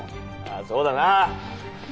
ああそうだな。